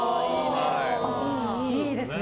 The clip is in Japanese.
いいですね。